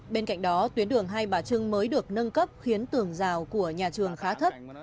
bên cạnh đó tuyến đường hai bà trưng mới được nâng cấp khiến tường rào của nhà trường khá thấp